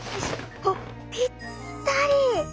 あっぴったり！